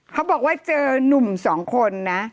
เค้าบอกว่าเจอนุ่ม๒คนน่ะ